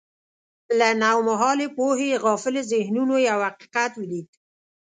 له نومهالې پوهې غافلو ذهنونو یو حقیقت ولید.